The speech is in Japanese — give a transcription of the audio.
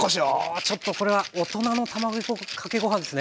ちょっとこれは大人の卵かけご飯ですね。